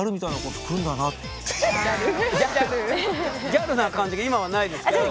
ギャルな感じが今はないですけど。